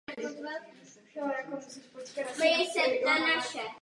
Je také držitelkou několika cenných kovů z německých šampionátů.